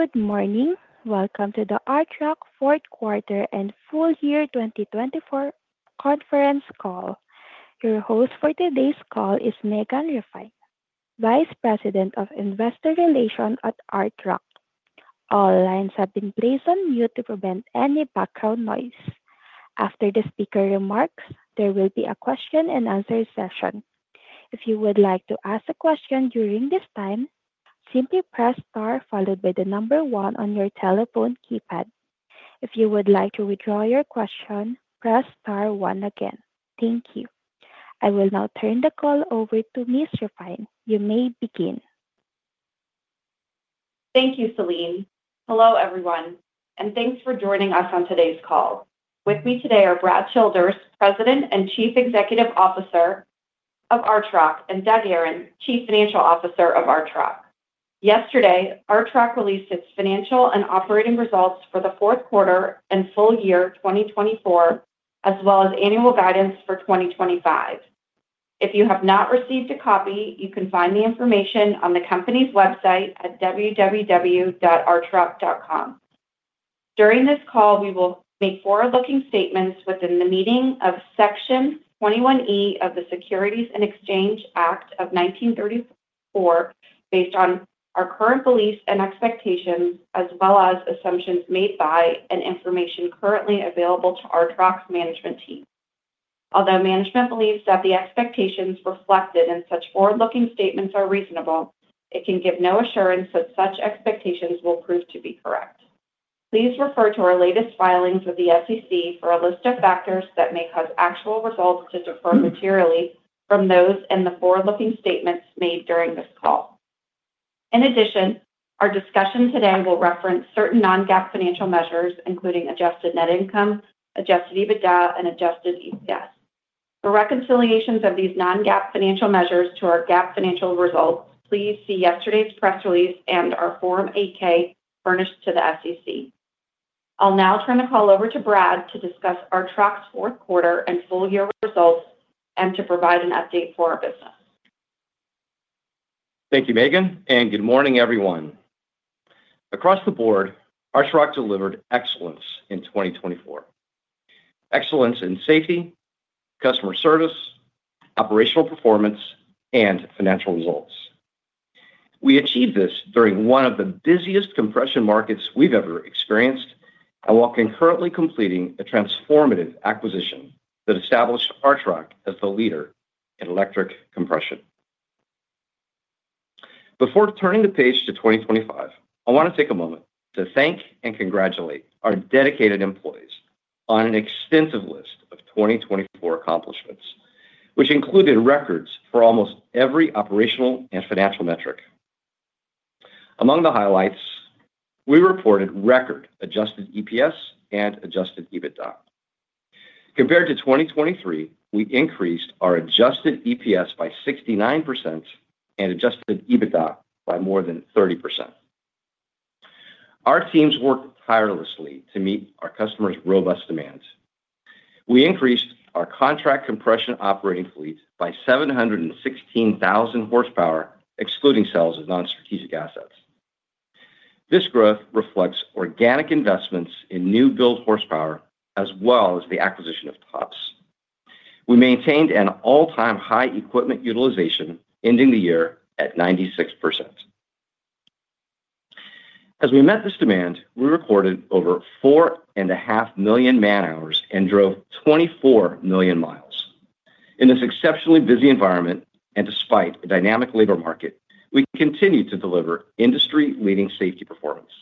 Good morning. Welcome to the Archrock Fourth Quarter and Full Year 2024 Conference Call. Your host for today's call is Megan Repine, Vice President of Investor Relations at Archrock. All lines have been placed on mute to prevent any background noise. After the speaker remarks, there will be a question-and-answer session. If you would like to ask a question during this time, simply press star followed by the number one on your telephone keypad. If you would like to withdraw your question, press star one again. Thank you. I will now turn the call over to Ms. Repine. You may begin. Thank you, Celine. Hello, everyone, and thanks for joining us on today's call. With me today are Brad Childers, President and Chief Executive Officer of Archrock, and Doug Aron, Chief Financial Officer of Archrock. Yesterday, Archrock released its financial and operating results for the fourth quarter and full year 2024, as well as annual guidance for 2025. If you have not received a copy, you can find the information on the company's website at www.archrock.com. During this call, we will make forward-looking statements within the meaning of Section 21E of the Securities Exchange Act of 1934, based on our current beliefs and expectations, as well as assumptions made by and information currently available to Archrock's management team. Although management believes that the expectations reflected in such forward-looking statements are reasonable, it can give no assurance that such expectations will prove to be correct. Please refer to our latest filings with the SEC for a list of factors that may cause actual results to differ materially from those in the forward-looking statements made during this call. In addition, our discussion today will reference certain non-GAAP financial measures, including Adjusted Net Income, Adjusted EBITDA, and Adjusted EPS. For reconciliations of these non-GAAP financial measures to our GAAP financial results, please see yesterday's press release and our Form 8-K furnished to the SEC. I'll now turn the call over to Brad to discuss Archrock's fourth quarter and full year results and to provide an update for our business. Thank you, Megan, and good morning, everyone. Across the board, Archrock delivered excellence in 2024: excellence in safety, customer service, operational performance, and financial results. We achieved this during one of the busiest compression markets we've ever experienced and while concurrently completing a transformative acquisition that established Archrock as the leader in electric compression. Before turning the page to 2025, I want to take a moment to thank and congratulate our dedicated employees on an extensive list of 2024 accomplishments, which included records for almost every operational and financial metric. Among the highlights, we reported record Adjusted EPS and Adjusted EBITDA. Compared to 2023, we increased our Adjusted EPS by 69% and Adjusted EBITDA by more than 30%. Our teams worked tirelessly to meet our customers' robust demands. We increased our contract compression operating fleet by 716,000 horsepower, excluding sales of non-strategic assets. This growth reflects organic investments in new-build horsepower as well as the acquisition of TOPS. We maintained an all-time high equipment utilization, ending the year at 96%. As we met this demand, we recorded over 4.5 million man-hours and drove 24 million miles. In this exceptionally busy environment and despite a dynamic labor market, we continue to deliver industry-leading safety performance.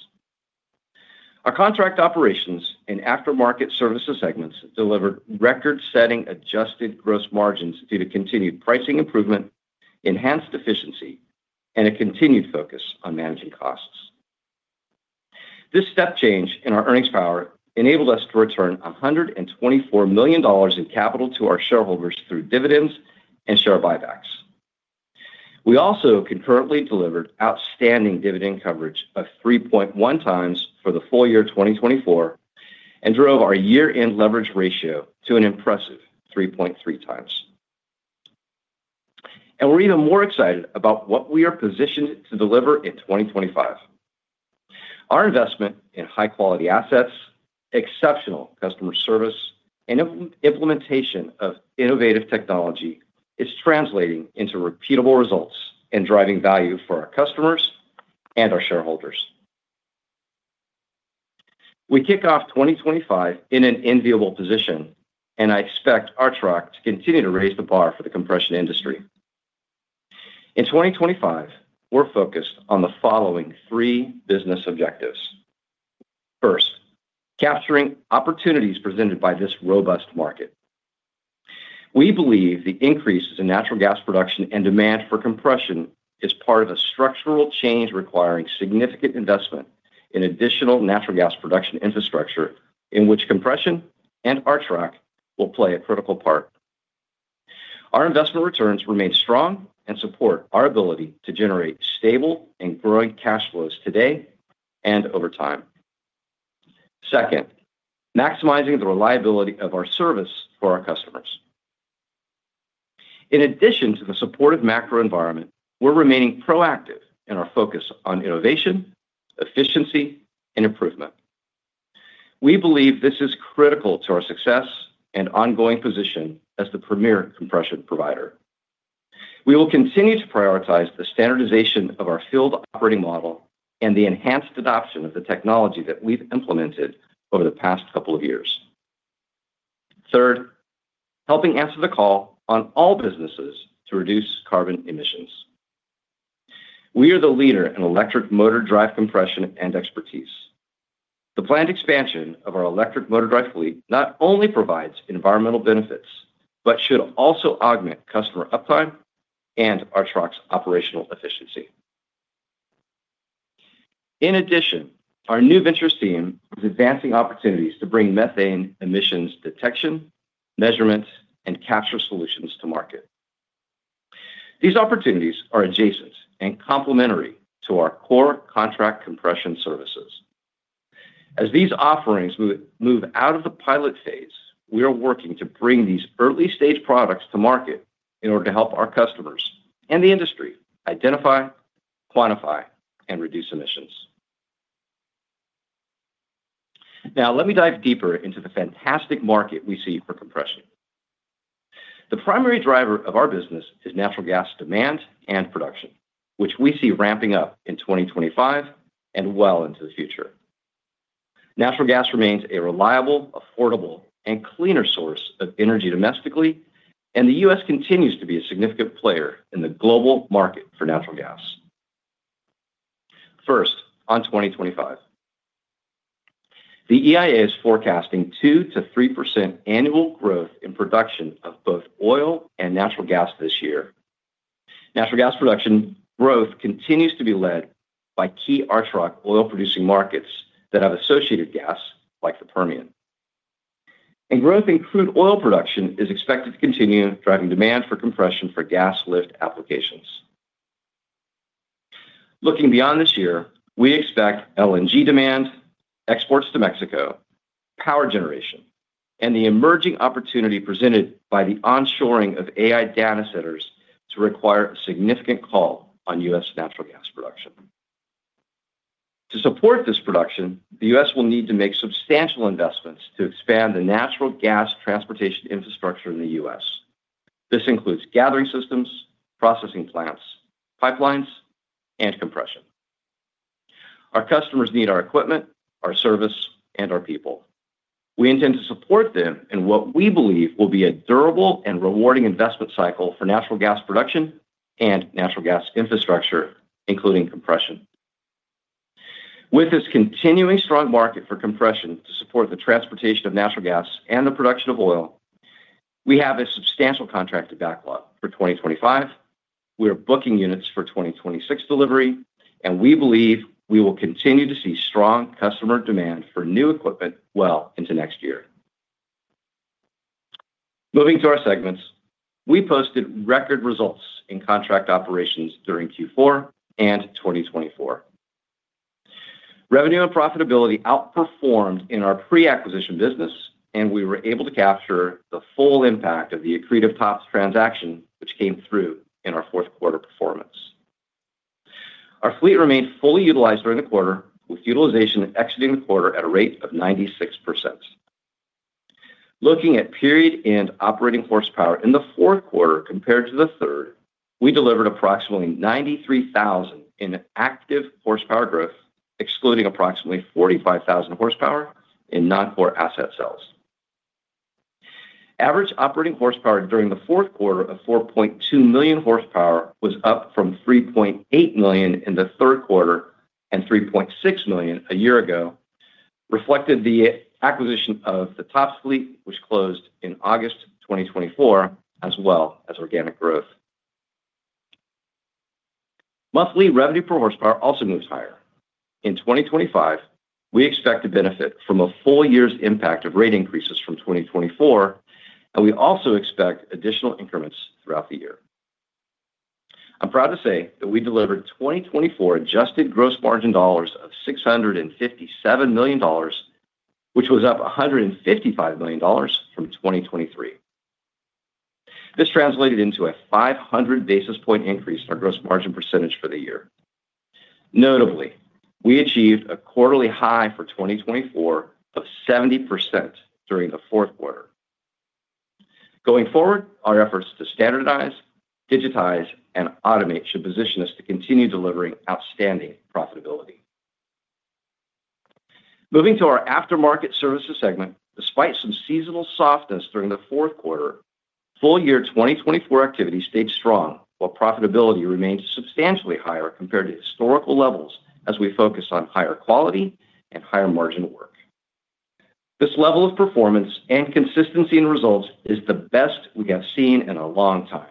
Our Contract Operations and Aftermarket Services segments delivered record-setting Adjusted Gross Margins due to continued pricing improvement, enhanced efficiency, and a continued focus on managing costs. This step change in our earnings power enabled us to return $124 million in capital to our shareholders through dividends and share buybacks. We also concurrently delivered outstanding dividend coverage of 3.1x for the full year 2024 and drove our year-end leverage ratio to an impressive 3.3x. And we're even more excited about what we are positioned to deliver in 2025. Our investment in high-quality assets, exceptional customer service, and implementation of innovative technology is translating into repeatable results and driving value for our customers and our shareholders. We kick off 2025 in an enviable position, and I expect Archrock to continue to raise the bar for the compression industry. In 2025, we're focused on the following three business objectives. First, capturing opportunities presented by this robust market. We believe the increase in natural gas production and demand for compression is part of a structural change requiring significant investment in additional natural gas production infrastructure in which compression and Archrock will play a critical part. Our investment returns remain strong and support our ability to generate stable and growing cash flows today and over time. Second, maximizing the reliability of our service for our customers. In addition to the supportive macro environment, we're remaining proactive in our focus on innovation, efficiency, and improvement. We believe this is critical to our success and ongoing position as the premier compression provider. We will continue to prioritize the standardization of our field operating model and the enhanced adoption of the technology that we've implemented over the past couple of years. Third, helping answer the call on all businesses to reduce carbon emissions. We are the leader in electric motor drive compression and expertise. The planned expansion of our electric motor drive fleet not only provides environmental benefits but should also augment customer uptime and Archrock's operational efficiency. In addition, our New Ventures team is advancing opportunities to bring methane emissions detection, measurement, and capture solutions to market. These opportunities are adjacent and complementary to our core contract compression services. As these offerings move out of the pilot phase, we are working to bring these early-stage products to market in order to help our customers and the industry identify, quantify, and reduce emissions. Now, let me dive deeper into the fantastic market we see for compression. The primary driver of our business is natural gas demand and production, which we see ramping up in 2025 and well into the future. Natural gas remains a reliable, affordable, and cleaner source of energy domestically, and the U.S. continues to be a significant player in the global market for natural gas. First, on 2025, the EIA is forecasting 2%-3% annual growth in production of both oil and natural gas this year. Natural gas production growth continues to be led by key Archrock oil-producing markets that have associated gas like the Permian. Growth in crude oil production is expected to continue driving demand for compression for gas lift applications. Looking beyond this year, we expect LNG demand, exports to Mexico, power generation, and the emerging opportunity presented by the onshoring of AI data centers to require a significant call on U.S. natural gas production. To support this production, the U.S. will need to make substantial investments to expand the natural gas transportation infrastructure in the U.S. This includes gathering systems, processing plants, pipelines, and compression. Our customers need our equipment, our service, and our people. We intend to support them in what we believe will be a durable and rewarding investment cycle for natural gas production and natural gas infrastructure, including compression. With this continuing strong market for compression to support the transportation of natural gas and the production of oil, we have a substantial contract backlog for 2025. We are booking units for 2026 delivery, and we believe we will continue to see strong customer demand for new equipment well into next year. Moving to our segments, we posted record results in Contract Operations during Q4 and 2024. Revenue and profitability outperformed in our pre-acquisition business, and we were able to capture the full impact of the accretive TOPS transaction, which came through in our fourth quarter performance. Our fleet remained fully utilized during the quarter, with utilization exiting the quarter at a rate of 96%. Looking at period-end operating horsepower in the fourth quarter compared to the third, we delivered approximately 93,000 in active horsepower growth, excluding approximately 45,000 hp in non-core asset sales. Average operating horsepower during the fourth quarter of 4.2 million horsepower was up from 3.8 million in the third quarter and 3.6 million a year ago. This reflected the acquisition of the TOPS fleet, which closed in August 2024, as well as organic growth. Monthly revenue per horsepower also moves higher. In 2025, we expect to benefit from a full year's impact of rate increases from 2024, and we also expect additional increments throughout the year. I'm proud to say that we delivered 2024 Adjusted Gross Margin dollars of $657 million, which was up $155 million from 2023. This translated into a 500 basis points increase in our gross margin percentage for the year. Notably, we achieved a quarterly high for 2024 of 70% during the fourth quarter. Going forward, our efforts to standardize, digitize, and automate should position us to continue delivering outstanding profitability. Moving to our Aftermarket Services segment, despite some seasonal softness during the fourth quarter, full year 2024 activity stayed strong while profitability remained substantially higher compared to historical levels as we focus on higher quality and higher margin work. This level of performance and consistency in results is the best we have seen in a long time.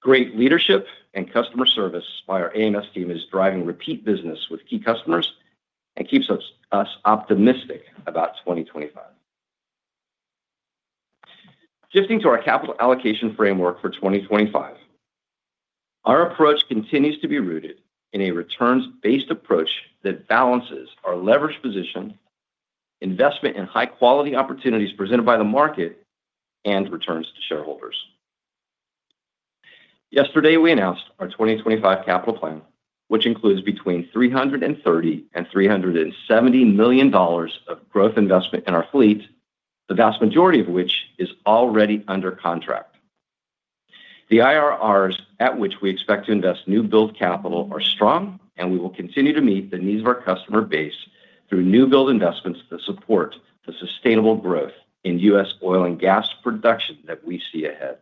Great leadership and customer service by our AMS team is driving repeat business with key customers and keeps us optimistic about 2025. Shifting to our capital allocation framework for 2025, our approach continues to be rooted in a returns-based approach that balances our leverage position, investment in high-quality opportunities presented by the market, and returns to shareholders. Yesterday, we announced our 2025 capital plan, which includes between $330 and $370 million of growth investment in our fleet, the vast majority of which is already under contract. The IRRs at which we expect to invest new-build capital are strong, and we will continue to meet the needs of our customer base through new-build investments that support the sustainable growth in U.S. oil and gas production that we see ahead.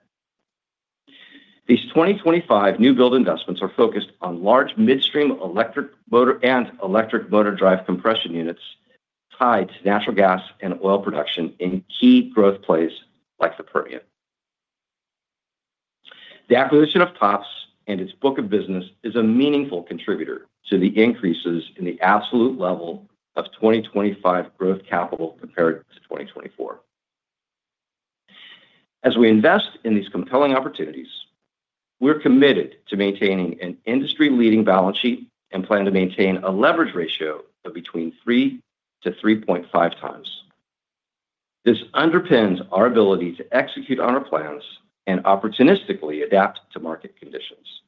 These 2025 new-build investments are focused on large midstream electric motor and electric motor drive compression units tied to natural gas and oil production in key growth plays like the Permian. The acquisition of TOPS and its book of business is a meaningful contributor to the increases in the absolute level of 2025 growth capital compared to 2024. As we invest in these compelling opportunities, we're committed to maintaining an industry-leading balance sheet and plan to maintain a leverage ratio of between 3-3.5x. This underpins our ability to execute on our plans and opportunistically adapt to market conditions.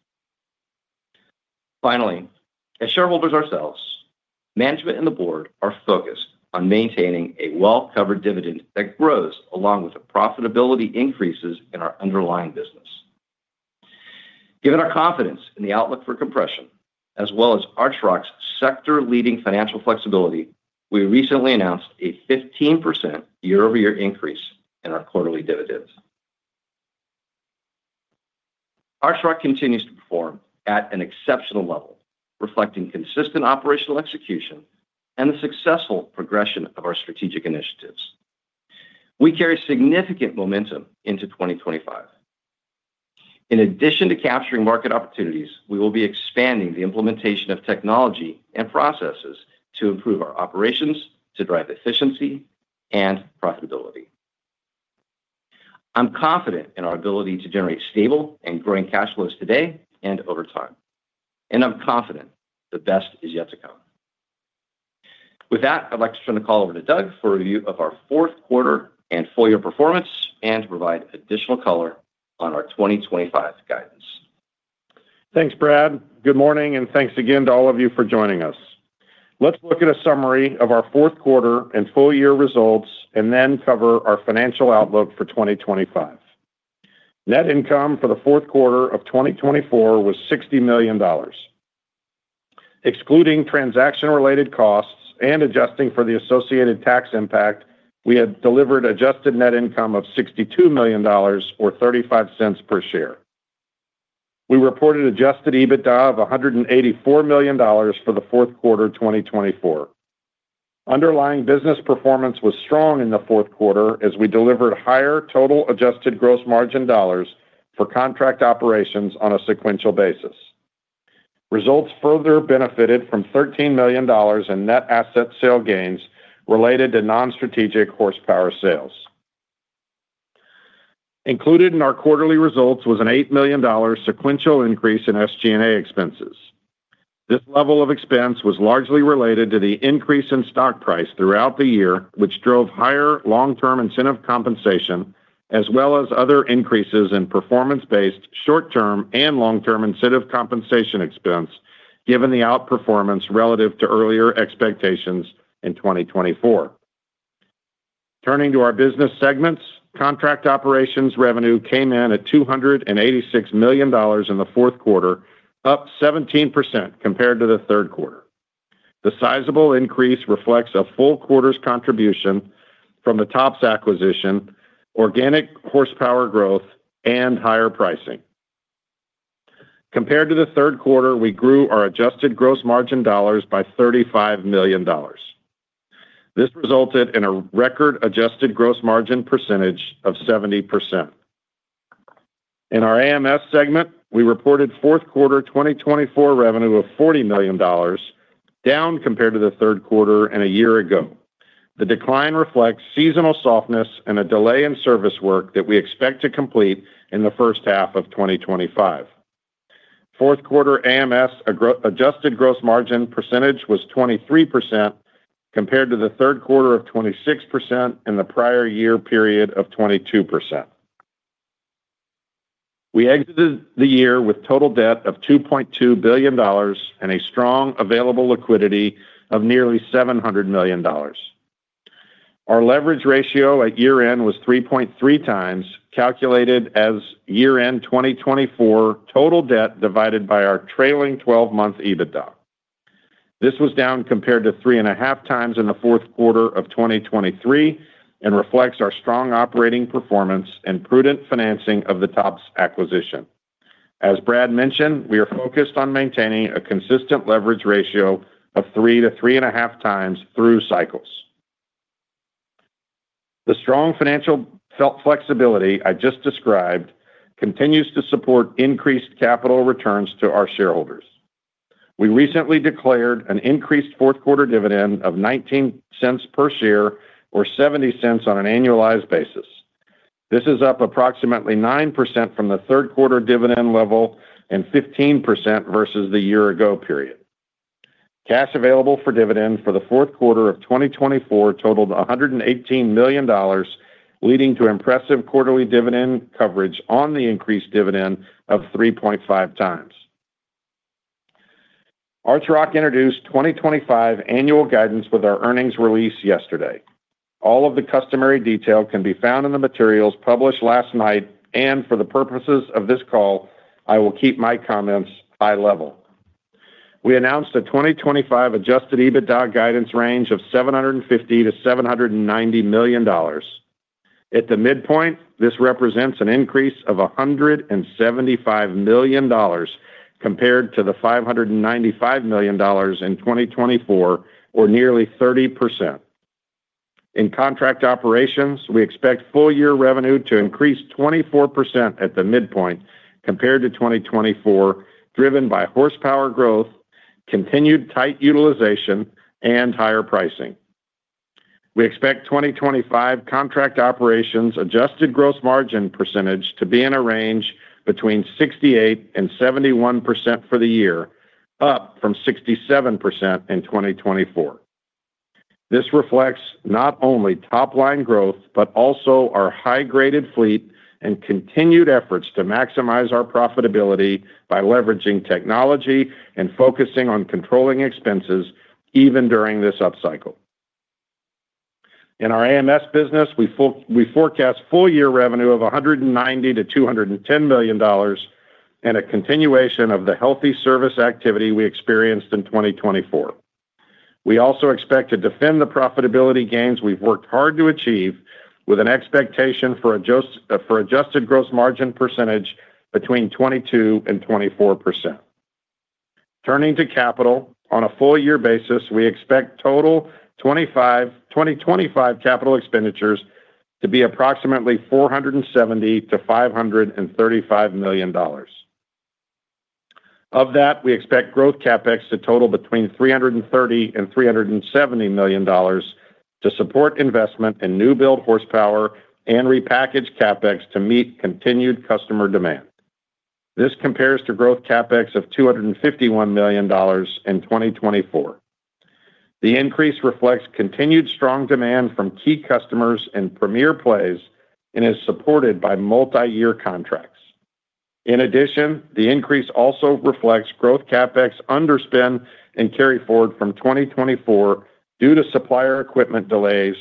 Finally, as shareholders ourselves, management and the board are focused on maintaining a well-covered dividend that grows along with the profitability increases in our underlying business. Given our confidence in the outlook for compression, as well as Archrock's sector-leading financial flexibility, we recently announced a 15% year-over-year increase in our quarterly dividends. Archrock continues to perform at an exceptional level, reflecting consistent operational execution and the successful progression of our strategic initiatives. We carry significant momentum into 2025. In addition to capturing market opportunities, we will be expanding the implementation of technology and processes to improve our operations to drive efficiency and profitability. I'm confident in our ability to generate stable and growing cash flows today and over time, and I'm confident the best is yet to come. With that, I'd like to turn the call over to Doug for a review of our fourth quarter and full year performance and to provide additional color on our 2025 guidance. Thanks, Brad. Good morning, and thanks again to all of you for joining us. Let's look at a summary of our fourth quarter and full year results and then cover our financial outlook for 2025. Net income for the fourth quarter of 2024 was $60 million. Excluding transaction-related costs and adjusting for the associated tax impact, we had delivered adjusted net income of $62 million, or $0.35 per share. We reported Adjusted EBITDA of $184 million for the fourth quarter 2024. Underlying business performance was strong in the fourth quarter as we delivered higher total adjusted gross margin dollars for Contract Operations on a sequential basis. Results further benefited from $13 million in net asset sale gains related to non-strategic horsepower sales. Included in our quarterly results was an $8 million sequential increase in SG&A expenses. This level of expense was largely related to the increase in stock price throughout the year, which drove higher long-term incentive compensation, as well as other increases in performance-based short-term and long-term incentive compensation expense, given the outperformance relative to earlier expectations in 2024. Turning to our business segments, Contract Operations revenue came in at $286 million in the fourth quarter, up 17% compared to the third quarter. The sizable increase reflects a full quarter's contribution from the TOPS acquisition, organic horsepower growth, and higher pricing. Compared to the third quarter, we grew our Adjusted Gross Margin dollars by $35 million. This resulted in a record Adjusted Gross Margin percentage of 70%. In our AMS segment, we reported fourth quarter 2024 revenue of $40 million, down compared to the third quarter and a year ago. The decline reflects seasonal softness and a delay in service work that we expect to complete in the first half of 2025. Fourth quarter AMS Adjusted Gross Margin percentage was 23% compared to the third quarter of 26% in the prior year period of 22%. We exited the year with total debt of $2.2 billion and a strong available liquidity of nearly $700 million. Our leverage ratio at year-end was 3.3 times, calculated as year-end 2024 total debt divided by our trailing 12-month EBITDA. This was down compared to three and a half times in the fourth quarter of 2023 and reflects our strong operating performance and prudent financing of the TOPS acquisition. As Brad mentioned, we are focused on maintaining a consistent leverage ratio of three to three and a half times through cycles. The strong financial flexibility I just described continues to support increased capital returns to our shareholders. We recently declared an increased fourth quarter dividend of $0.19 per share, or $0.70 on an annualized basis. This is up approximately 9% from the third quarter dividend level and 15% versus the year-ago period. Cash Available for Dividend for the fourth quarter of 2024 totaled $118 million, leading to impressive quarterly dividend coverage on the increased dividend of 3.5x. Archrock introduced 2025 annual guidance with our earnings release yesterday. All of the customary detail can be found in the materials published last night, and for the purposes of this call, I will keep my comments high level. We announced a 2025 Adjusted EBITDA guidance range of $750-$790 million. At the midpoint, this represents an increase of $175 million compared to the $595 million in 2024, or nearly 30%. In Contract Operations, we expect full year revenue to increase 24% at the midpoint compared to 2024, driven by horsepower growth, continued tight utilization, and higher pricing. We expect 2025 Contract Operations Adjusted Gross Margin percentage to be in a range between 68% and 71% for the year, up from 67% in 2024. This reflects not only top-line growth but also our high-graded fleet and continued efforts to maximize our profitability by leveraging technology and focusing on controlling expenses even during this upcycle. In our AMS business, we forecast full year revenue of $190-$210 million and a continuation of the healthy service activity we experienced in 2024. We also expect to defend the profitability gains we've worked hard to achieve, with an expectation for Adjusted Gross Margin percentage between 22% and 24%. Turning to capital, on a full-year basis, we expect total 2025 capital expenditures to be approximately $470 to $535 million. Of that, we expect Growth CapEx to total between $330 and $370 million to support investment in new-build horsepower and repackaged CapEx to meet continued customer demand. This compares to Growth CapEx of $251 million in 2024. The increase reflects continued strong demand from key customers and premier plays and is supported by multi-year contracts. In addition, the increase also reflects Growth CapEx underspend and carry forward from 2024 due to supplier equipment delays.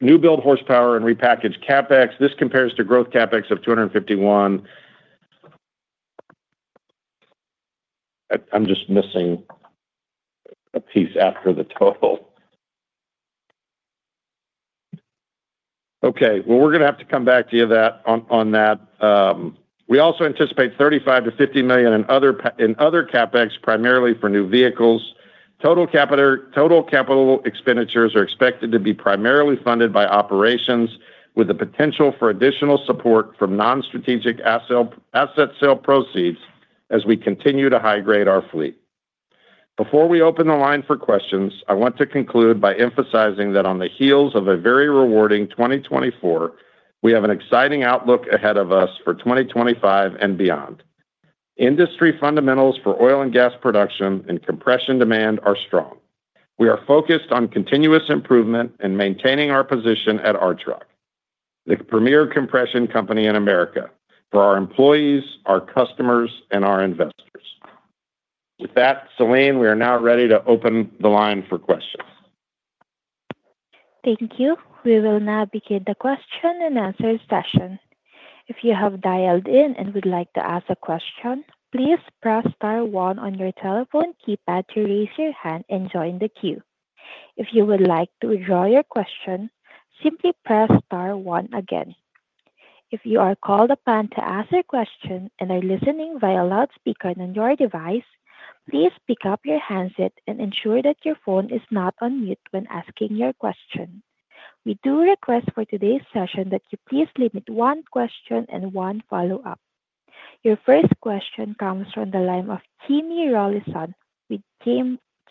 This compares to Growth CapEx of $251. I'm just missing a piece after the total. Okay. Well, we're going to have to come back to you on that. We also anticipate $35-$50 million in Other CapEx, primarily for new vehicles. Total capital expenditures are expected to be primarily funded by operations, with the potential for additional support from non-strategic asset sale proceeds as we continue to high-grade our fleet. Before we open the line for questions, I want to conclude by emphasizing that on the heels of a very rewarding 2024, we have an exciting outlook ahead of us for 2025 and beyond. Industry fundamentals for oil and gas production and compression demand are strong. We are focused on continuous improvement and maintaining our position at Archrock, the premier compression company in America, for our employees, our customers, and our investors. With that, Celine, we are now ready to open the line for questions. Thank you. We will now begin the question and answer session. If you have dialed in and would like to ask a question, please press star one on your telephone keypad to raise your hand and join the queue. If you would like to withdraw your question, simply press star one again. If you are called upon to ask a question and are listening via loudspeaker on your device, please pick up your handset and ensure that your phone is not on mute when asking your question. We do request for today's session that you please limit one question and one follow-up. Your first question comes from the line of Jim Rollyson,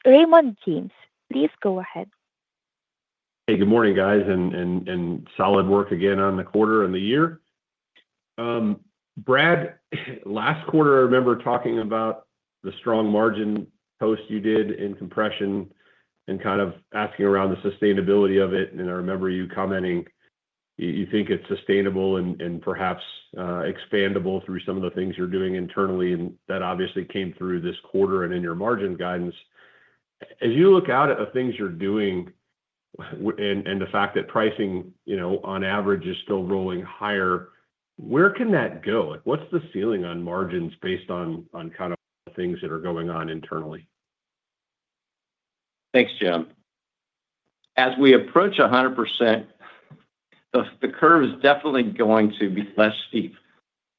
Raymond James. Please go ahead. Hey, good morning, guys, and solid work again on the quarter and the year. Brad, last quarter, I remember talking about the strong margin boost you did in compression and kind of asking about the sustainability of it, and I remember you commenting you think it's sustainable and perhaps expandable through some of the things you're doing internally, and that obviously came through this quarter and in your margin guidance. As you look out at the things you're doing and the fact that pricing, on average, is still rolling higher, where can that go? What's the ceiling on margins based on kind of the things that are going on internally? Thanks, Jim. As we approach 100%, the curve is definitely going to be less steep.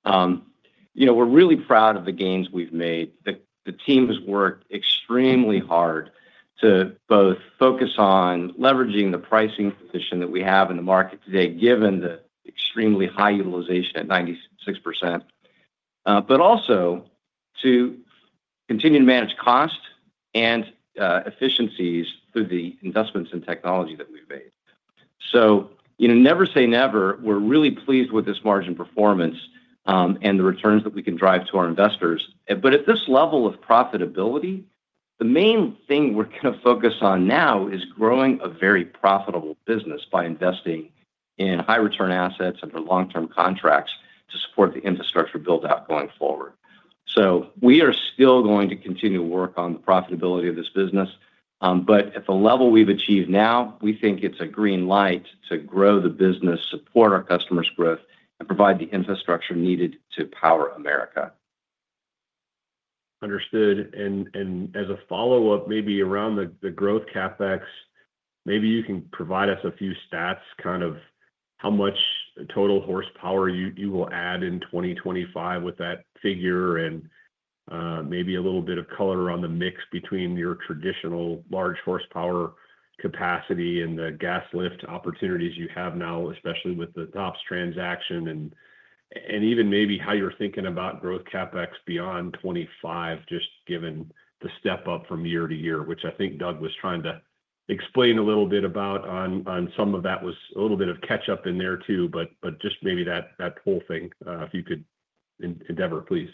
We're really proud of the gains we've made. The team has worked extremely hard to both focus on leveraging the pricing position that we have in the market today, given the extremely high utilization at 96%, but also to continue to manage cost and efficiencies through the investments in technology that we've made. So never say never. We're really pleased with this margin performance and the returns that we can drive to our investors. But at this level of profitability, the main thing we're going to focus on now is growing a very profitable business by investing in high-return assets and for long-term contracts to support the infrastructure build-out going forward. So we are still going to continue to work on the profitability of this business. But at the level we've achieved now, we think it's a green light to grow the business, support our customers' growth, and provide the infrastructure needed to power America. Understood. And as a follow-up, maybe around the Growth CapEx, maybe you can provide us a few stats kind of how much total horsepower you will add in 2025 with that figure and maybe a little bit of color on the mix between your traditional large horsepower capacity and the gas lift opportunities you have now, especially with the TOPS transaction and even maybe how you're thinking about Growth CapEx beyond 2025, just given the step up from year to year, which I think Doug was trying to explain a little bit about on some of that was a little bit of catch-up in there too, but just maybe that whole thing, if you could endeavor, please.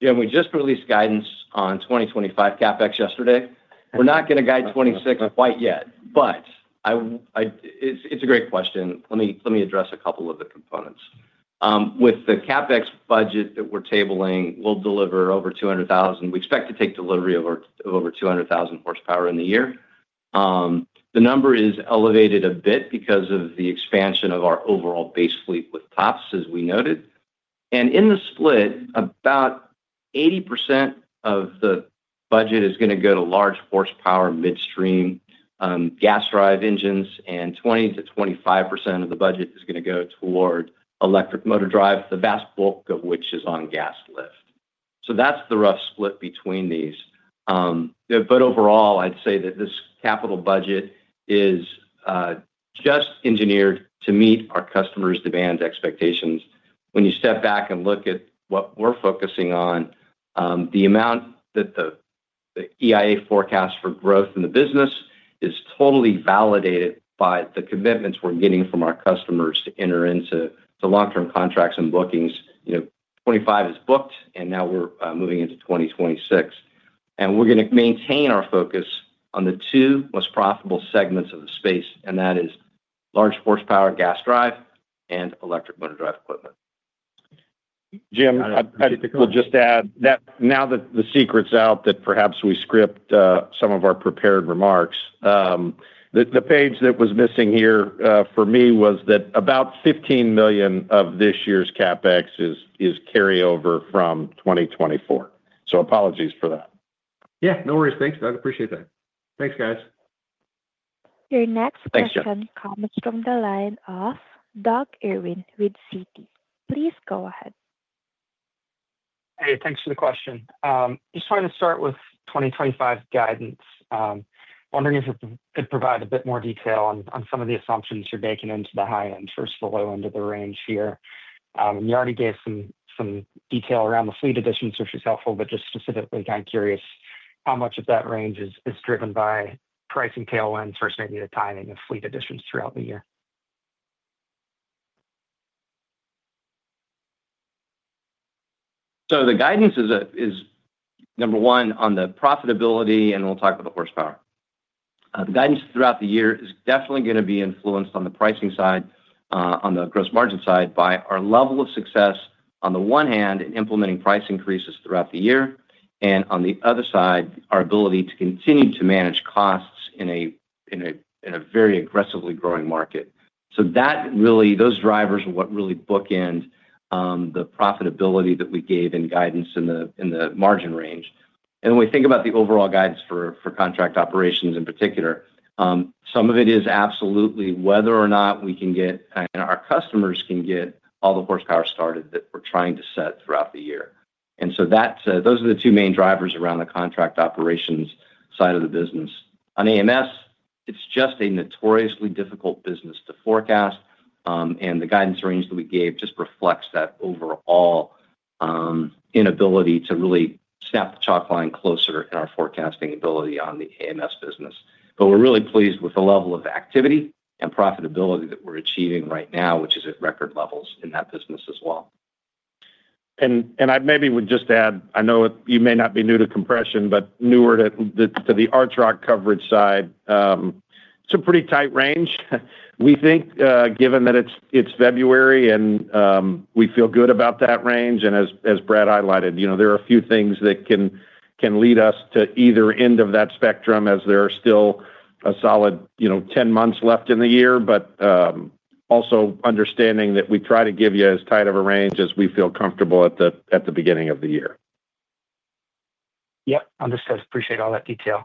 Yeah. We just released guidance on 2025 CapEx yesterday. We're not going to guide 2026 quite yet, but it's a great question. Let me address a couple of the components. With the CapEx budget that we're tabling, we'll deliver over 200,000. We expect to take delivery of over 200,000 hp in the year. The number is elevated a bit because of the expansion of our overall base fleet with TOPS, as we noted. And in the split, about 80% of the budget is going to go to large horsepower, midstream gas-drive engines, and 20%-25% of the budget is going to go toward electric motor drive, the vast bulk of which is on gas lift. So that's the rough split between these. But overall, I'd say that this capital budget is just engineered to meet our customers' demand expectations. When you step back and look at what we're focusing on, the amount that the EIA forecasts for growth in the business is totally validated by the commitments we're getting from our customers to enter into the long-term contracts and bookings. 2025 is booked, and now we're moving into 2026, and we're going to maintain our focus on the two most profitable segments of the space, and that is large horsepower gas drive and electric motor drive equipment. Jim, I will just add that now that the secret's out, that perhaps we script some of our prepared remarks, the page that was missing here for me was that about $15 million of this year's CapEx is carryover from 2024. So apologies for that. Yeah. No worries. Thanks, Doug. Appreciate that. Thanks, guys. Your next question comes from the line of Doug Irwin with Citi. Please go ahead. Hey, thanks for the question. Just wanted to start with 2025 guidance. Wondering if you could provide a bit more detail on some of the assumptions you're making into the high end versus the low end of the range here. You already gave some detail around the fleet additions, which is helpful, but just specifically kind of curious how much of that range is driven by pricing tailwinds versus maybe the timing of fleet additions throughout the year. So the guidance is, number one, on the profitability, and we'll talk about the horsepower. The guidance throughout the year is definitely going to be influenced on the pricing side, on the gross margin side, by our level of success on the one hand in implementing price increases throughout the year, and on the other side, our ability to continue to manage costs in a very aggressively growing market. So those drivers are what really bookend the profitability that we gave in guidance in the margin range. And when we think about the overall guidance for Contract Operations in particular, some of it is absolutely whether or not we can get and our customers can get all the horsepower started that we're trying to set throughout the year. And so those are the two main drivers around the Contract Operations side of the business. On AMS, it's just a notoriously difficult business to forecast, and the guidance range that we gave just reflects that overall inability to really snap the chalk line closer in our forecasting ability on the AMS business. But we're really pleased with the level of activity and profitability that we're achieving right now, which is at record levels in that business as well. And I maybe would just add. I know you may not be new to compression, but newer to the Archrock coverage side. It's a pretty tight range. We think, given that it's February and we feel good about that range, and as Brad highlighted, there are a few things that can lead us to either end of that spectrum as there are still a solid 10 months left in the year, but also understanding that we try to give you as tight of a range as we feel comfortable at the beginning of the year. Yep. Understood. Appreciate all that detail.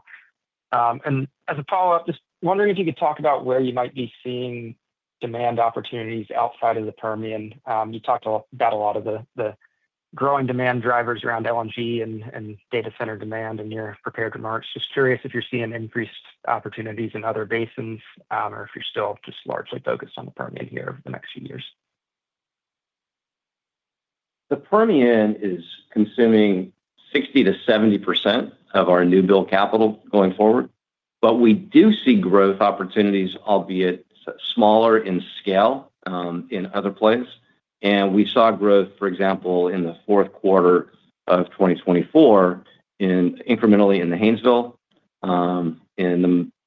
And as a follow-up, just wondering if you could talk about where you might be seeing demand opportunities outside of the Permian. You talked about a lot of the growing demand drivers around LNG and data center demand in your prepared remarks. Just curious if you're seeing increased opportunities in other basins or if you're still just largely focused on the Permian here over the next few years. The Permian is consuming 60%-70% of our new-build capital going forward, but we do see growth opportunities, albeit smaller in scale, in other places. And we saw growth, for example, in the fourth quarter of 2024, incrementally in the Haynesville, in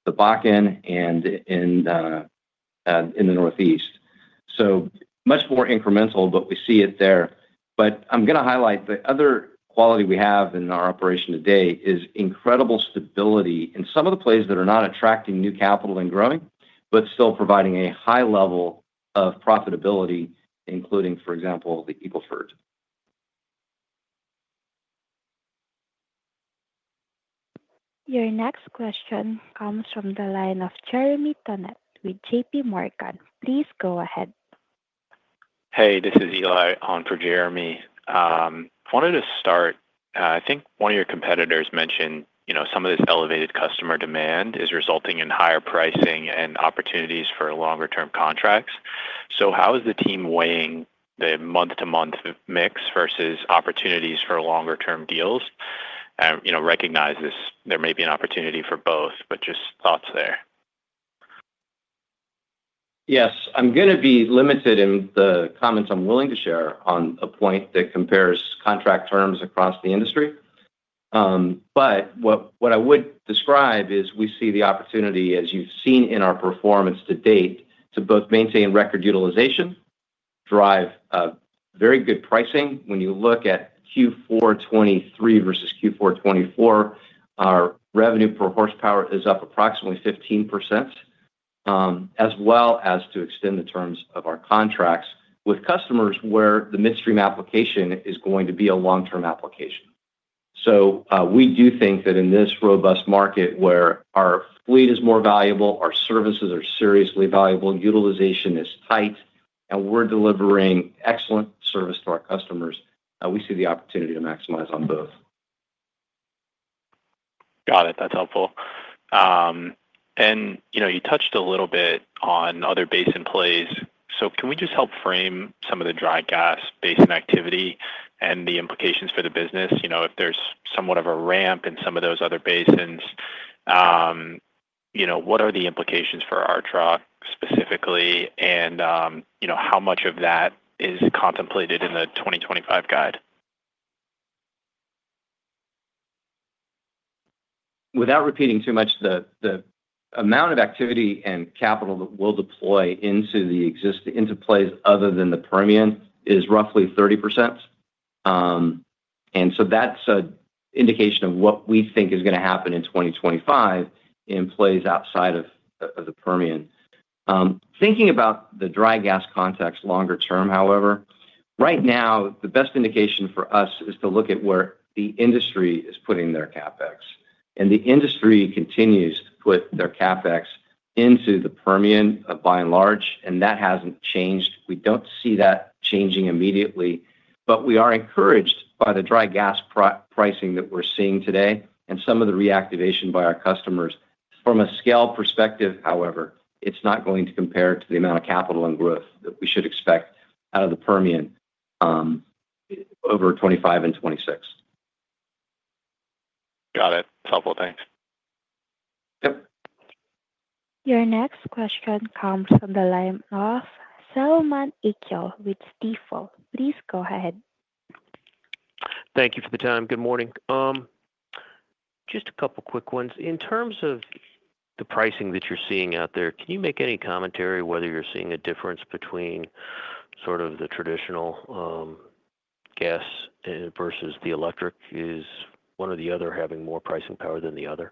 the Bakken, and in the Northeast. So much more incremental, but we see it there. But I'm going to highlight the other quality we have in our operation today is incredible stability in some of the places that are not attracting new capital and growing, but still providing a high level of profitability, including, for example, the Eagle Ford. Your next question comes from the line of Jeremy Tonet with J.P. Morgan. Please go ahead. Hey, this is Eli on for Jeremy. I wanted to start. I think one of your competitors mentioned some of this elevated customer demand is resulting in higher pricing and opportunities for longer-term contracts. So how is the team weighing the month-to-month mix versus opportunities for longer-term deals? Recognize there may be an opportunity for both, but just thoughts there. Yes. I'm going to be limited in the comments I'm willing to share on a point that compares contract terms across the industry. But what I would describe is we see the opportunity, as you've seen in our performance to date, to both maintain record utilization, drive very good pricing. When you look at Q4 2023 versus Q4 2024, our revenue per horsepower is up approximately 15%, as well as to extend the terms of our contracts with customers where the midstream application is going to be a long-term application. So we do think that in this robust market where our fleet is more valuable, our services are seriously valuable, utilization is tight, and we're delivering excellent service to our customers, we see the opportunity to maximize on both. Got it. That's helpful. And you touched a little bit on other basin plays. So can we just help frame some of the dry gas basin activity and the implications for the business? If there's somewhat of a ramp in some of those other basins, what are the implications for Archrock specifically, and how much of that is contemplated in the 2025 guide? Without repeating too much, the amount of activity and capital that we'll deploy into plays other than the Permian is roughly 30%. And so that's an indication of what we think is going to happen in 2025 in plays outside of the Permian. Thinking about the dry gas context longer term, however, right now, the best indication for us is to look at where the industry is putting their CapEx. And the industry continues to put their CapEx into the Permian by and large, and that hasn't changed. We don't see that changing immediately, but we are encouraged by the dry gas pricing that we're seeing today and some of the reactivation by our customers. From a scale perspective, however, it's not going to compare to the amount of capital and growth that we should expect out of the Permian over 2025 and 2026. Got it. It's helpful. Thanks. Yep. Your next question comes from the line of Selman Akyol with Stifel. Please go ahead. Thank you for the time. Good morning. Just a couple of quick ones. In terms of the pricing that you're seeing out there, can you make any commentary whether you're seeing a difference between sort of the traditional gas versus the electric? Is one or the other having more pricing power than the other?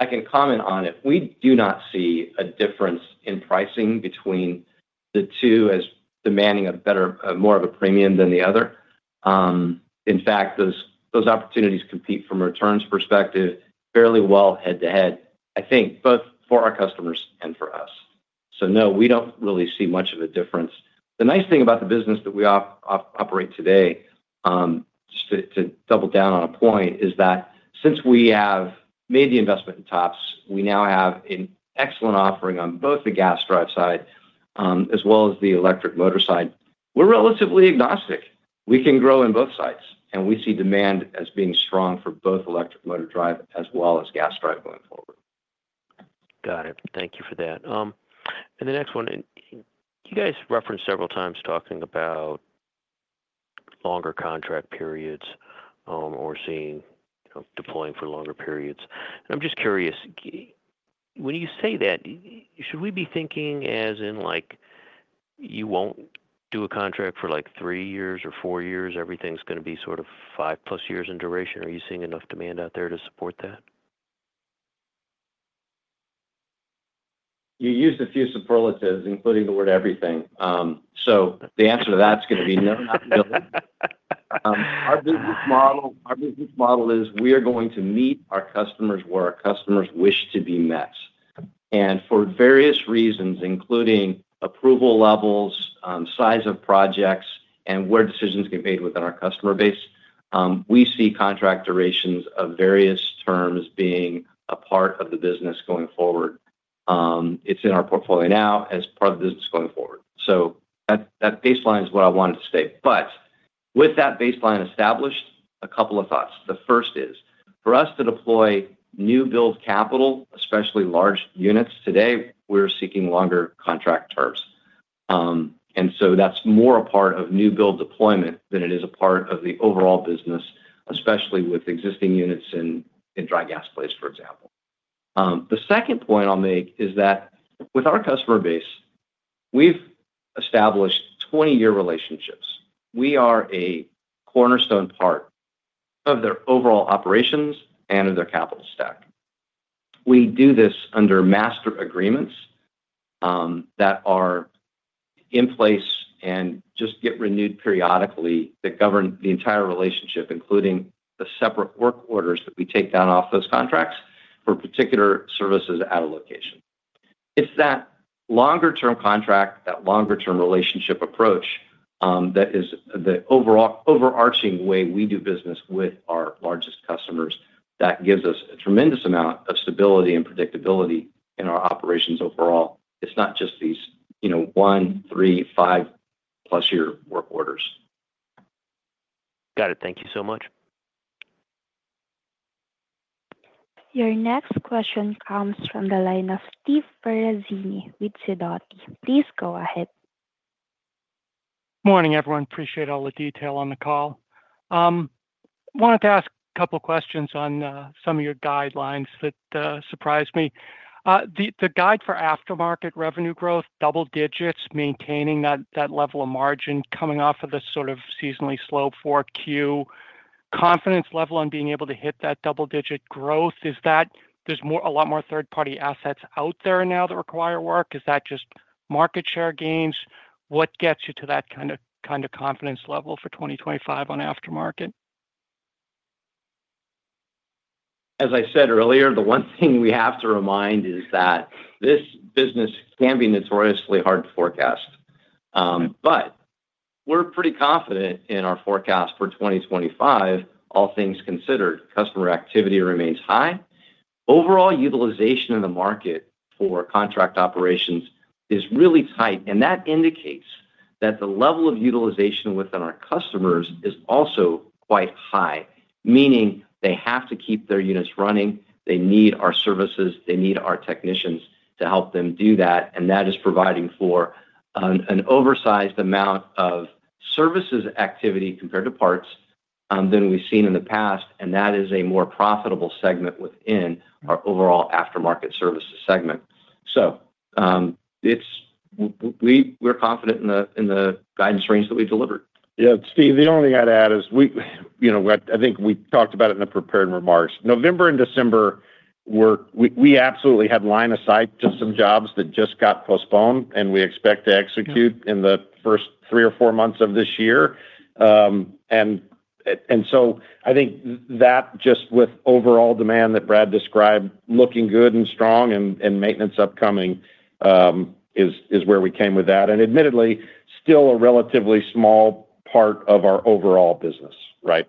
I can comment on it. We do not see a difference in pricing between the two as demanding a better, more of a premium than the other. In fact, those opportunities compete from a returns perspective fairly well head-to-head, I think, both for our customers and for us. So no, we don't really see much of a difference. The nice thing about the business that we operate today, just to double down on a point, is that since we have made the investment in TOPS, we now have an excellent offering on both the gas drive side as well as the electric motor side. We're relatively agnostic. We can grow in both sides, and we see demand as being strong for both electric motor drive as well as gas drive going forward. Got it. Thank you for that. And the next one, you guys referenced several times talking about longer contract periods or deploying for longer periods. And I'm just curious, when you say that, should we be thinking as in you won't do a contract for three years or four years? Everything's going to be sort of five-plus years in duration. Are you seeing enough demand out there to support that? You used a few superlatives, including the word everything. So the answer to that's going to be no, not really. Our business model is we are going to meet our customers where our customers wish to be met. And for various reasons, including approval levels, size of projects, and where decisions get made within our customer base, we see contract durations of various terms being a part of the business going forward. It's in our portfolio now as part of the business going forward. So that baseline is what I wanted to state. But with that baseline established, a couple of thoughts. The first is for us to deploy new-build capital, especially large units. Today, we're seeking longer contract terms. And so that's more a part of new-build deployment than it is a part of the overall business, especially with existing units in dry gas plays, for example. The second point I'll make is that with our customer base, we've established 20-year relationships. We are a cornerstone part of their overall operations and of their capital stack. We do this under master agreements that are in place and just get renewed periodically that govern the entire relationship, including the separate work orders that we take down off those contracts for particular services at a location. It's that longer-term contract, that longer-term relationship approach that is the overarching way we do business with our largest customers that gives us a tremendous amount of stability and predictability in our operations overall. It's not just these one, three, five-plus-year work orders. Got it. Thank you so much. Your next question comes from the line of Steve Ferazani with Sidoti. Please go ahead. Morning, everyone. Appreciate all the detail on the call. I wanted to ask a couple of questions on some of your guidelines that surprised me. The guide for aftermarket revenue growth, double digits, maintaining that level of margin coming off of the sort of seasonally slow four-Q confidence level on being able to hit that double-digit growth, is that there's a lot more third-party assets out there now that require work? Is that just market share gains? What gets you to that kind of confidence level for 2025 on aftermarket? As I said earlier, the one thing we have to remind is that this business can be notoriously hard to forecast. But we're pretty confident in our forecast for 2025, all things considered, customer activity remains high. Overall utilization in the market for Contract Operations is really tight. And that indicates that the level of utilization within our customers is also quite high, meaning they have to keep their units running. They need our services. They need our technicians to help them do that. And that is providing for an oversized amount of services activity compared to parts than we've seen in the past. And that is a more profitable segment within our overall Aftermarket Services segment. So we're confident in the guidance range that we delivered. Yeah. Steve, the only thing I'd add is I think we talked about it in the prepared remarks. November and December, we absolutely had line aside to some jobs that just got postponed, and we expect to execute in the first three or four months of this year. And so I think that just with overall demand that Brad described, looking good and strong and maintenance upcoming is where we came with that. And admittedly, still a relatively small part of our overall business, right?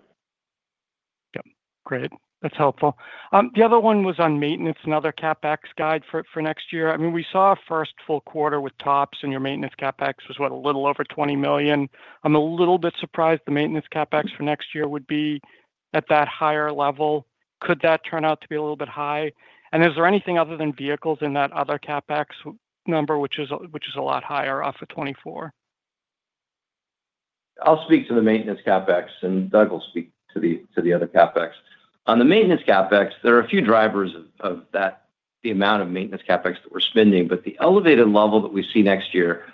Yep. Great. That's helpful. The other one was on maintenance, another CapEx guide for next year. I mean, we saw a first full quarter with TOPS, and your Maintenance CapEx was, what, a little over $20 million. I'm a little bit surprised the Maintenance CapEx for next year would be at that higher level. Could that turn out to be a little bit high? And is there anything other than vehicles in that Other CapEx number, which is a lot higher off of 2024? I'll speak to the Maintenance CapEx, and Doug will speak to the Other CapEx. On the Maintenance CapEx, there are a few drivers of the amount of Maintenance CapEx that we're spending. But the elevated level that we see next year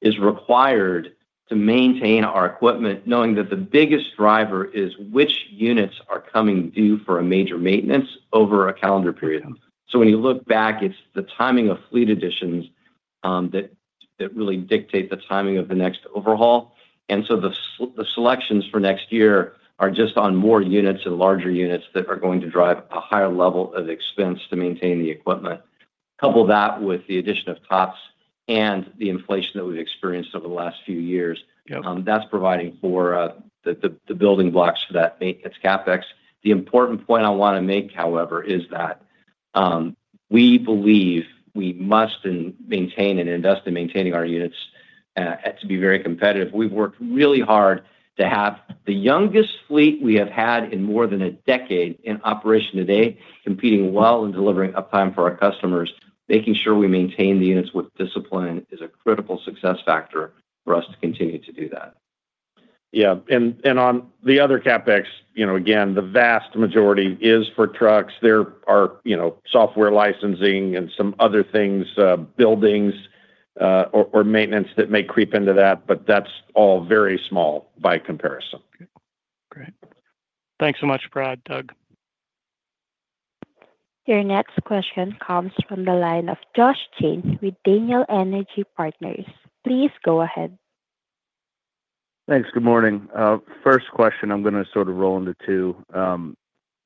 is required to maintain our equipment, knowing that the biggest driver is which units are coming due for a major maintenance over a calendar period. So when you look back, it's the timing of fleet additions that really dictate the timing of the next overhaul. And so the selections for next year are just on more units and larger units that are going to drive a higher level of expense to maintain the equipment. Couple that with the addition of TOPS and the inflation that we've experienced over the last few years. That's providing for the building blocks for that Maintenance CapEx. The important point I want to make, however, is that we believe we must maintain and invest in maintaining our units to be very competitive. We've worked really hard to have the youngest fleet we have had in more than a decade in operation today, competing well and delivering uptime for our customers. Making sure we maintain the units with discipline is a critical success factor for us to continue to do that. Yeah. And on the Other CapEx, again, the vast majority is for trucks. There are software licensing and some other things, buildings or maintenance that may creep into that, but that's all very small by comparison. Great. Thanks so much, Brad. Doug. Your next question comes from the line of Josh Jayne with Daniel Energy Partners. Please go ahead. Thanks. Good morning. First question, I'm going to sort of roll into two.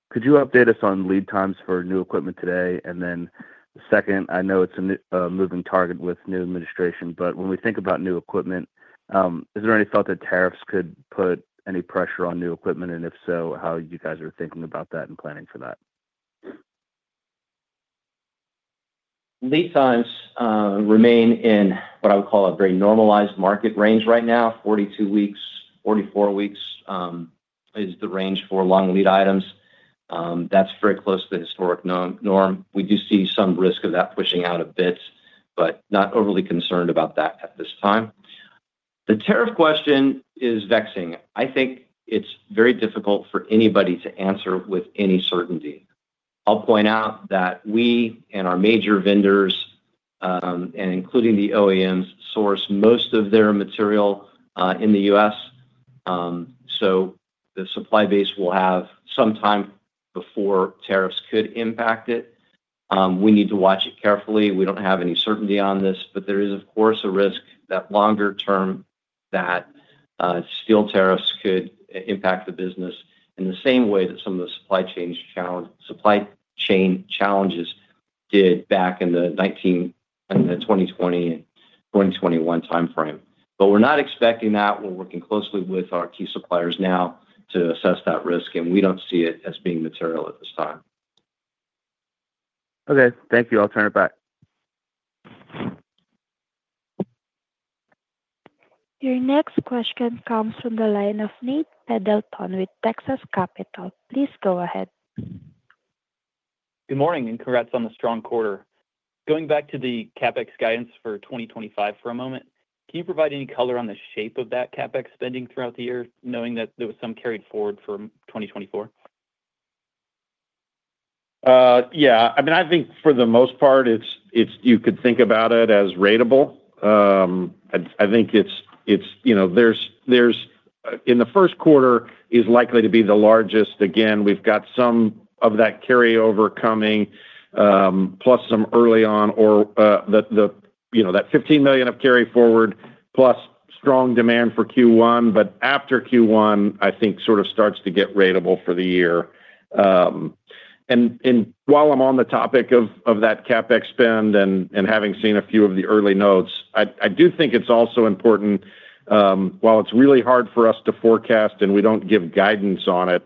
Could you update us on lead times for new equipment today? And then second, I know it's a moving target with new administration, but when we think about new equipment, is there any thought that tariffs could put any pressure on new equipment? And if so, how you guys are thinking about that and planning for that? Lead times remain in what I would call a very normalized market range right now. 42-44 weeks is the range for long lead items. That's very close to the historic norm. We do see some risk of that pushing out a bit, but not overly concerned about that at this time. The tariff question is vexing. I think it's very difficult for anybody to answer with any certainty. I'll point out that we and our major vendors, including the OEMs, source most of their material in the U.S. So the supply base will have some time before tariffs could impact it. We need to watch it carefully. We don't have any certainty on this, but there is, of course, a risk that longer term that steel tariffs could impact the business in the same way that some of the supply chain challenges did back in the 2020 and 2021 timeframe. But we're not expecting that. We're working closely with our key suppliers now to assess that risk, and we don't see it as being material at this time. Okay. Thank you. I'll turn it back. Your next question comes from the line of Nate Pendleton with Texas Capital. Please go ahead. Good morning and congrats on the strong quarter. Going back to the CapEx guidance for 2025 for a moment, can you provide any color on the shape of that CapEx spending throughout the year, knowing that there was some carried forward for 2024? Yeah. I mean, I think for the most part, you could think about it as ratable. I think it's in the first quarter is likely to be the largest. Again, we've got some of that carryover coming, plus some early on, or that $15 million of carry forward, plus strong demand for Q1. But after Q1, I think sort of starts to get ratable for the year. And while I'm on the topic of that CapEx spend and having seen a few of the early notes, I do think it's also important. While it's really hard for us to forecast and we don't give guidance on it,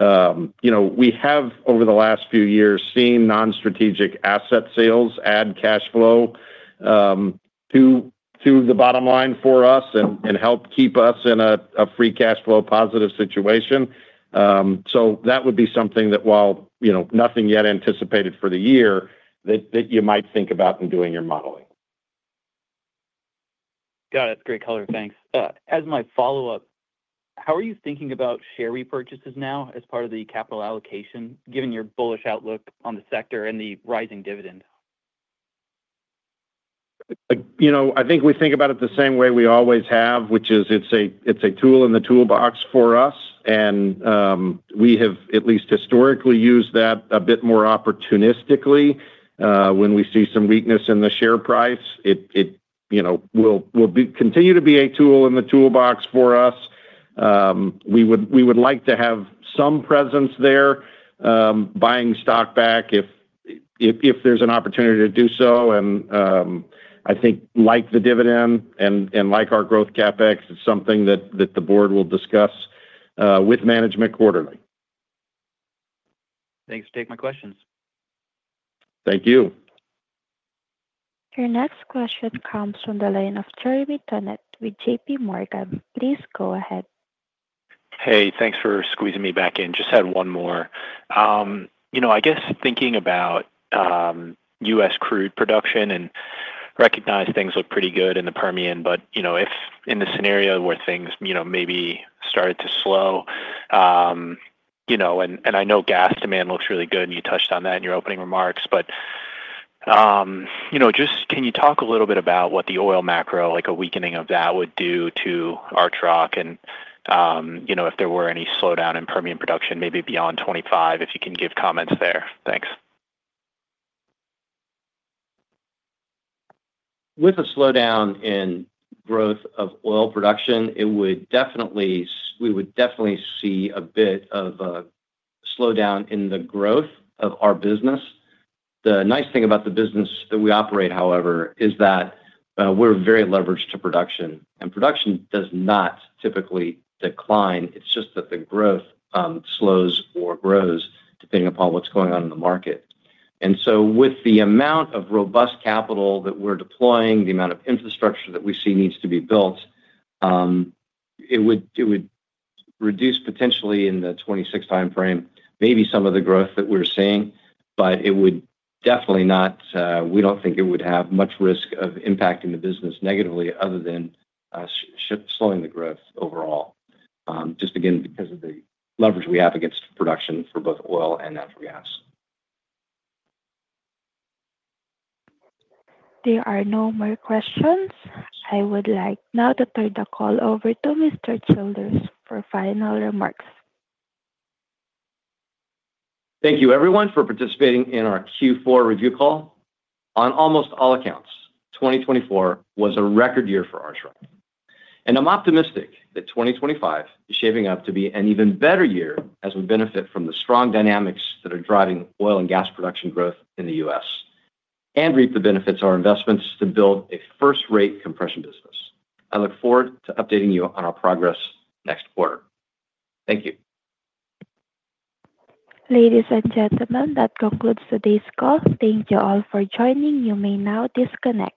we have, over the last few years, seen non-strategic asset sales add cash flow to the bottom line for us and help keep us in a free cash flow positive situation. So that would be something that, while nothing yet anticipated for the year, that you might think about in doing your modeling. Got it. Great color. Thanks. As my follow-up, how are you thinking about share repurchases now as part of the capital allocation, given your bullish outlook on the sector and the rising dividend? I think we think about it the same way we always have, which is it's a tool in the toolbox for us. And we have, at least historically, used that a bit more opportunistically. When we see some weakness in the share price, it will continue to be a tool in the toolbox for us. We would like to have some presence there, buying stock back if there's an opportunity to do so. And I think, like the dividend and like our Growth CapEx, it's something that the board will discuss with management quarterly. Thanks. Take my questions. Thank you. Your next question comes from the line of Jeremy Tonet with J.P. Morgan. Please go ahead. Hey, thanks for squeezing me back in. Just had one more. I guess thinking about U.S. crude production and recognize things look pretty good in the Permian, but if in the scenario where things maybe started to slow, and I know gas demand looks really good, and you touched on that in your opening remarks, but just can you talk a little bit about what the oil macro, like a weakening of that, would do to our truck? And if there were any slowdown in Permian production, maybe beyond 2025, if you can give comments there. Thanks. With a slowdown in growth of oil production, we would definitely see a bit of a slowdown in the growth of our business. The nice thing about the business that we operate, however, is that we're very leveraged to production. Production does not typically decline. It's just that the growth slows or grows depending upon what's going on in the market. And so with the amount of robust capital that we're deploying, the amount of infrastructure that we see needs to be built, it would reduce potentially in the 2026 timeframe, maybe some of the growth that we're seeing, but it would definitely not. We don't think it would have much risk of impacting the business negatively other than slowing the growth overall, just again because of the leverage we have against production for both oil and natural gas. There are no more questions. I would like now to turn the call over to Mr. Childers for final remarks. Thank you, everyone, for participating in our Q4 review call. On almost all accounts, 2024 was a record year for Archrock. And I'm optimistic that 2025 is shaping up to be an even better year as we benefit from the strong dynamics that are driving oil and gas production growth in the U.S. and reap the benefits of our investments to build a first-rate compression business. I look forward to updating you on our progress next quarter. Thank you. Ladies and gentlemen, that concludes today's call. Thank you all for joining. You may now disconnect.